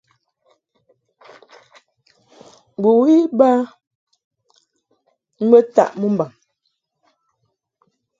Bɨwi iba mbə taʼ mɨmbaŋ.